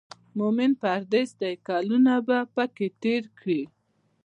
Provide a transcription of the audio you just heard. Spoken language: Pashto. مومن پردېس دی کلونه به پکې تېر کړي.